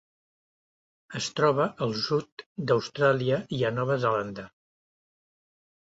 Es troba al sud d'Austràlia i a Nova Zelanda.